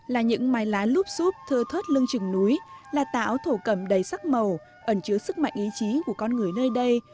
là những mái lá lúp xúp thơ thớt lưng trừng núi là tảo thổ cầm đầy sắc màu ẩn chứa sức mạnh ý chí của con người nơi đây